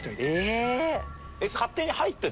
え！